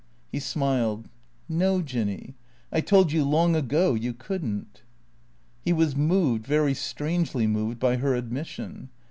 He smiled. " No, Jinny. I told you long ago you could n't." He was moved, very strangely moved, by her admission.